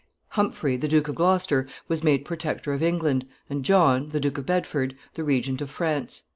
Humphrey, the Duke of Gloucester, was made Protector of England, and John, the Duke of Bedford, the Regent of France.